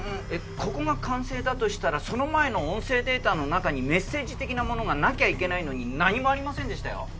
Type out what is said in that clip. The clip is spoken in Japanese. ここが完成だとしたらその前の音声データの中にメッセージ的なものがなきゃいけないのに何もありませんでしたよ。